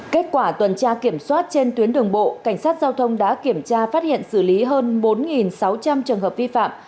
kết quả tuần tra kiểm soát trên tuyến đường bộ cảnh sát giao thông đã kiểm tra phát hiện xử lý hơn bốn sáu trăm linh trường hợp vi phạm